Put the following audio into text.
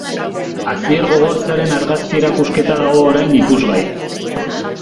Asier Gogortzaren argazki erakusketa dago orain ikusgai.